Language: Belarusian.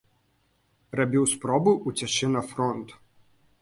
Рабіў спробы ўцячы на фронт.